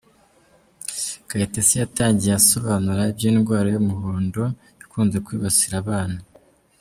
Kayitesi yatangiye asobanura iby’indwara y’umuhondo ikunze kwibasira abana.